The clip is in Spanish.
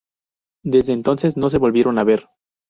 Desde entonces no se volvieron a ver.